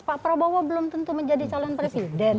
pak prabowo belum tentu menjadi calon presiden